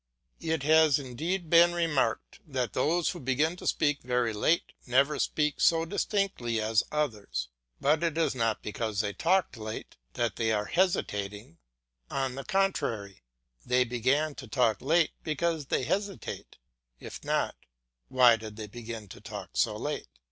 It has indeed been remarked that those who begin to speak very late never speak so distinctly as others; but it is not because they talked late that they are hesitating; on the contrary, they began to talk late because they hesitate; if not, why did they begin to talk so late?